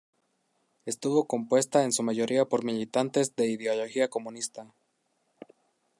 Estuvo compuesta en su mayoría por militantes de ideología comunista.